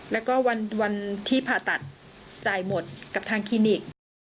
แล้วก็วันที่ผ่าตัดจ่ายหมดกับทางคลินิก